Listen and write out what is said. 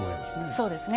そうですね。